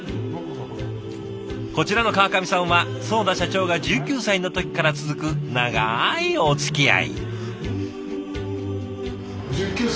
こちらの川上さんは囿田社長が１９歳の時から続く長いおつきあい。